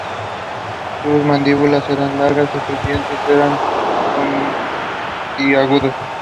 Sus mandíbulas eran largas y sus dientes eran puntiagudos.